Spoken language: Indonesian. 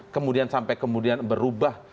kemudian sampai kemudian berubah